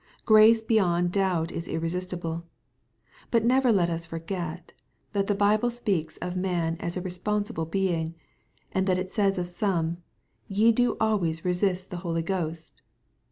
Grace beyond doubt is irresistible. But never let us for get, that the Bible speaks of man as a responsible being, and that it says of some, " ye do always resist the Holy Ghost."